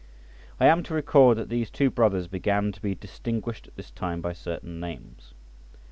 I am to record that these two brothers began to be distinguished at this time by certain names.